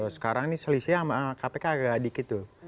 sekarang ini selisih sama kpk agak dikit tuh